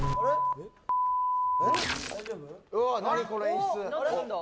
何この演出。